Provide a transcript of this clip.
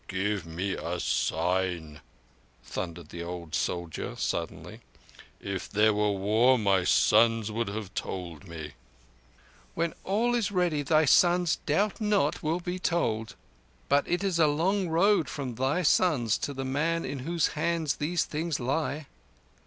Give me a sign," thundered the old soldier suddenly. "If there were war my sons would have told me." "When all is ready, thy sons, doubt not, will be told. But it is a long road from thy sons to the man in whose hands these things lie."